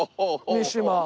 三島。